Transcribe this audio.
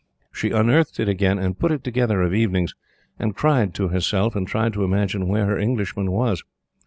She unearthed it again, and put it together of evenings, and cried to herself, and tried to imagine where her Englishman was.